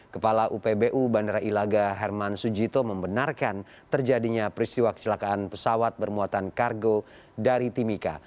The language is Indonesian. kepala upbu bandara ilaga herman sujito membenarkan terjadinya peristiwa kecelakaan pesawat bermuatan kargo dari timika